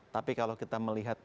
tapi kalau kita melihat